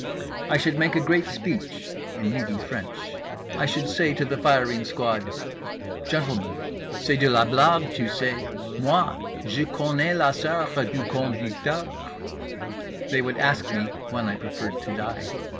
I should make a great speech (in Midi French). I should say to the firing squad: "Gentlemen, c'est de la blague, tu sais? Moi, je connais la soeur du conducteur." … They would ask me when I preferred to die.